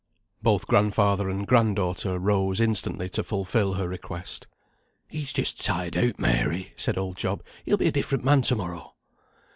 Both grandfather and grand daughter rose instantly to fulfil her request. "He's just tired out, Mary," said old Job. "He'll be a different man to morrow."